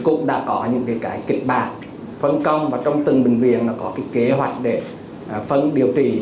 cụ đã có những kịch bản phân công và trong từng bệnh viện có kế hoạch để phân điều trị